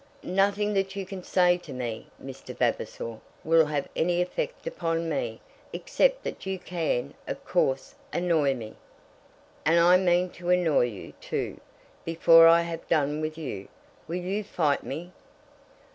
"Nothing that you can say to me, Mr. Vavasor, will have any effect upon me; except that you can, of course, annoy me." "And I mean to annoy you, too, before I have done with you. Will you fight me?"